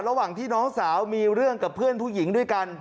ระหว่างที่น้องสาวมีเรื่องกับเพื่อนผู้หญิงด้วยกัน